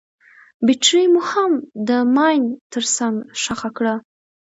بټرۍ مو هم د ماين تر څنګ ښخه کړه.